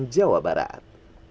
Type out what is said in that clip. jawa barat dua ribu dua puluh tiga